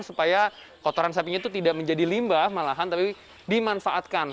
supaya kotoran sapinya itu tidak menjadi limbah malahan tapi dimanfaatkan